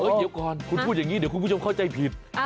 เดี๋ยวก่อนคุณพูดอย่างนี้เดี๋ยวคุณผู้ชมเข้าใจผิด